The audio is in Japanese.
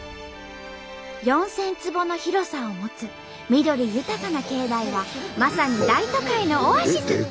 ４，０００坪の広さを持つ緑豊かな境内はまさに大都会のオアシス。